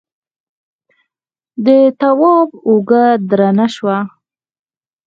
د تواب اوږه درنه شوه.